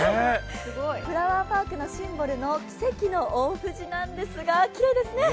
フラワーパークのシンボルの奇蹟の大藤なんですが、ホントきれいですね。